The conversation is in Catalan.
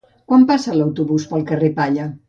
Quan passa l'autobús pel carrer Palla?